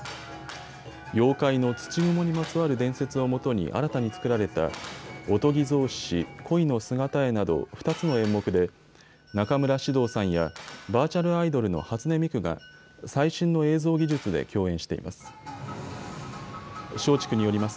妖怪の土蜘蛛にまつわる伝説をもとに新たに作られた御伽草紙戀姿絵など２つの演目で中村獅童さんやバーチャルアイドルの初音ミクが最新の映像技術で共演しています。